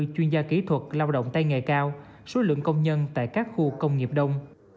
chuyên gia kỹ thuật lao động tay nghề cao số lượng công nhân tại các khu công nghiệp đông